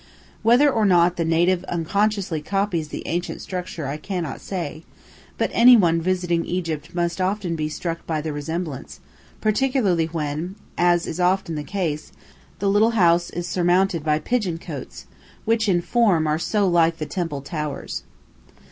Whether or not the native unconsciously copies the ancient structure I cannot say, but anyone visiting Egypt must often be struck by the resemblance, particularly when, as is often the case, the little house is surmounted by pigeon cotes, which in form are so like the temple towers.